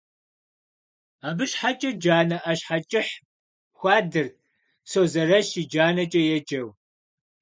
Абы щхьэкӏэ джанэ ӏэщхьэкӏыхь хуадырт, «Созэрэщ и джанэкӏэ» еджэу .